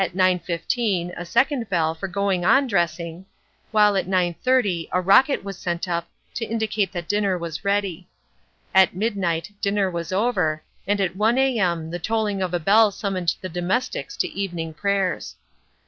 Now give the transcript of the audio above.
15 a second bell for going on dressing, while at 9.30 a rocket was sent up to indicate that dinner was ready. At midnight dinner was over, and at 1 a.m. the tolling of a bell summoned the domestics to evening prayers.